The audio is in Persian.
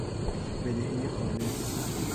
بدهی خالص